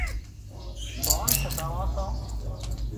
ڀاڻ ڇٽاوان سان